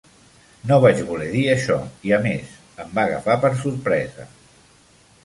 No vaig voler dir això i, a més, em va agafar per sorpresa.